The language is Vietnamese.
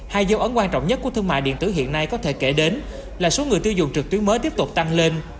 hai dấu ấn quan trọng nhất của thương mại điện tử hiện nay có thể kể đến là số người tiêu dùng trực tuyến mới tiếp tục tăng lên